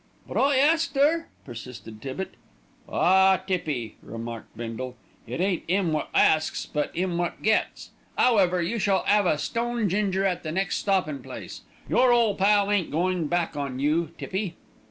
"But I asked 'er," persisted Tippitt. "Ah! Tippy," remarked Bindle, "it ain't 'im wot asks; but 'im wot gets. 'Owever, you shall 'ave a stone ginger at the next stoppin' place. Your ole pal ain't goin' back on you, Tippy."